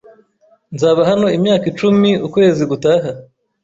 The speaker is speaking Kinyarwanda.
Nzaba hano imyaka icumi ukwezi gutaha.